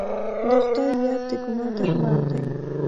د خدای یاد د ګناه درمل دی.